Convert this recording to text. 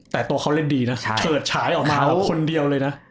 แต่ตัวเขาเล่นดีนะเฉิดฉายออกมาแล้วคนเดียวเลยนะ